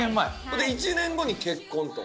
ほんで１年後に結婚と。